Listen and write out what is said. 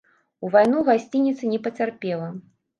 У вайну гасцініца не пацярпела.